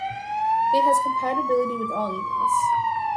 It has compatibility with all emails